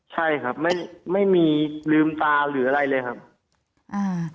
ใช่ครับไม่ไม่มีลืมตาหรืออะไรเลยครับอ่า